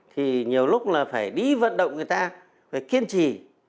thì nhiều lúc là phải đi vận động người ta phải kiên trì